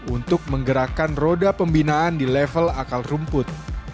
untuk menggerakkan roda pembinaan di level akal rumput